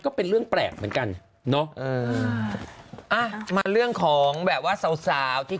ก็เป็นเรื่องแปลกเหมือนกันเนอะเอออ่ะมาเรื่องของแบบว่าสาวสาวที่